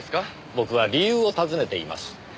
僕は理由を尋ねています。